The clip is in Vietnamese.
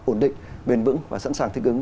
ổn định bền vững và sẵn sàng thích ứng